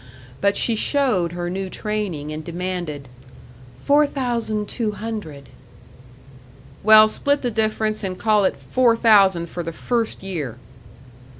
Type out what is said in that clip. But she showed her new training and demanded: "Four thousand two hundred." "Well, split the difference and call it four thousand for the first year."